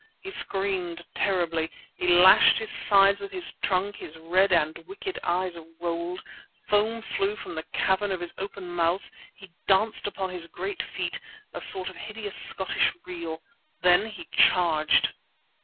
He screamed terribly; he lashed his sides with his trunk; his red and wicked eyes rolled; foam flew from the cavern of his open mouth; he danced upon his great feet, a sort of hideous Scottish reel. Then he charged!